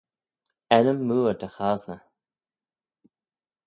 Ennym mooar dy chosney.